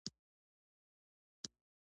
غوږ د بدن د اورېدو او تعادل حس دی.